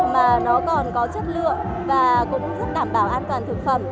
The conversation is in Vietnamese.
mà nó còn có chất lượng và cũng rất đảm bảo an toàn thực phẩm